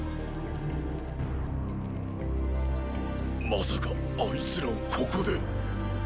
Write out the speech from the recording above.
まさかあいつらをここで。